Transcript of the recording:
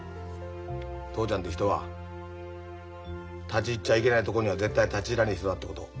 父ちゃんって人は立ち入っちゃいけないとこには絶対立ち入らねえ人だってこと。